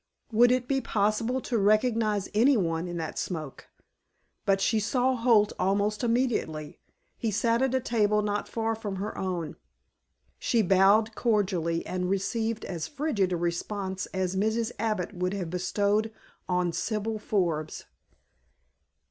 Would it be possible to recognize any one in that smoke? But she saw Holt almost immediately. He sat at a table not far from her own. She bowed cordially and received as frigid a response as Mrs. Abbott would have bestowed on Sibyl Forbes.